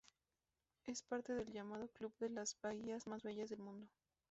Es parte del llamado "club de las bahías más bellas del mundo".